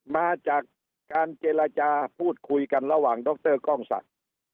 มาจากการเจรจาพูดคุยกันระหว่างดรกล้องศักดิ์